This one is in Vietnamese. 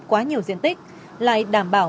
quá nhiều diện tích lại đảm bảo